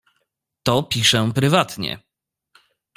"To piszę prywatnie."